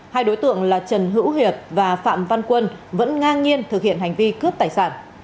hai đối tượng là trần hữu hiệp và phạm văn quân vẫn ngang nhiên thực hiện hành vi cướp tài sản